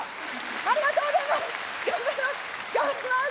ありがとうございます。